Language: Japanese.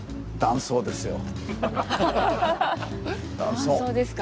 断層ですか。